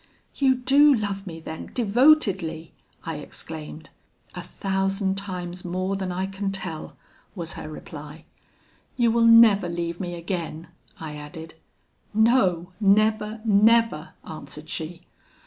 'You do love me then devotedly?' I exclaimed. "'A thousand times more than I can tell!' was her reply. "'You will never leave me again?' I added. "'No! never, never!' answered she.